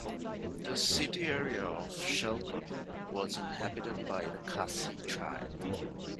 The city area of Shalkot was inhabited by the Kasi tribe.